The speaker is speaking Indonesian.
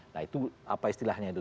nah itu apa istilahnya itu